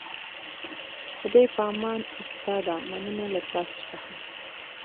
د خدای په امان استاده مننه له تاسو څخه